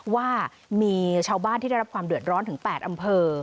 ว่ามีชาวบ้านที่ได้รับความเดือดร้อนถึง๘อำเภอ